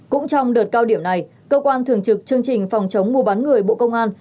cũng trong đợt cao điểm này cơ quan thường trực chương trình phòng chống mua bán người bộ công an